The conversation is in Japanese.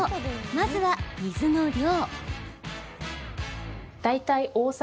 まずは、水の量。